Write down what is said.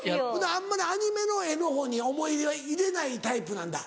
あんまりアニメの絵のほうに思い入れは入れないタイプなんだ。